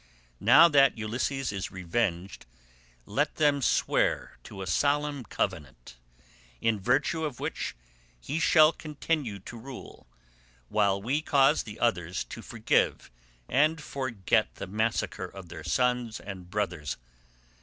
Now that Ulysses is revenged, let them swear to a solemn covenant, in virtue of which he shall continue to rule, while we cause the others to forgive and forget the massacre of their sons and brothers.